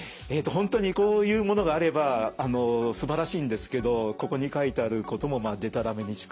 本当にこういうものがあればすばらしいんですけどここに書いてあることもでたらめに近い。